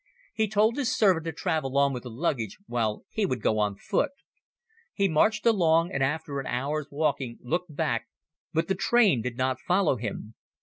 He told his servant to travel on with the luggage while he would go on foot. He marched along and after an hour's walking looked back, but the train did not follow him.